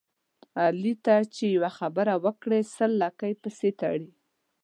علي ته چې یوه خبره وکړې سل لکۍ پسې تړي.